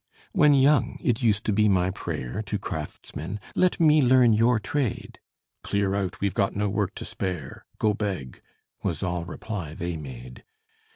When young, it used to be my prayer To craftsmen, "Let me learn your trade." "Clear out we've got no work to spare; Go beg," was all reply they made.